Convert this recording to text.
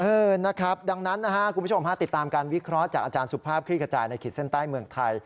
เออนะครับดังนั้นนะฮะคุณผู้ชมฮะติดตามการวิเคราะห์จากอาจารย์สุภาพคลี่ขจายในขีดเส้นใต้เมืองไทย